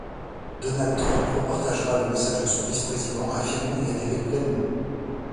Donald Trump repartagera le message de son vice-président, affirmant y adhérer pleinement.